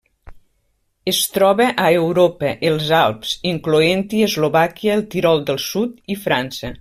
Es troba a Europa: els Alps, incloent-hi Eslovàquia, el Tirol del Sud i França.